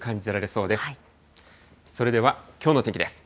それでは、きょうの天気です。